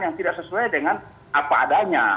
yang tidak sesuai dengan apa adanya